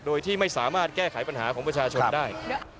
โดยที่ไม่สามารถแก้ไขปัญหาของประชาชนได้